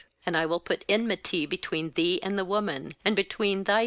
15And I will put enmity between thee and the woman, and between thy bHeb.